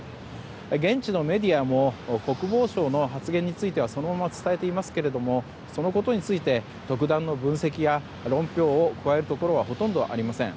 現地のメディアも国防省の発言についてはそのまま伝えていますがそのことについて、特段の分析や論評を加えるところはほとんどありません。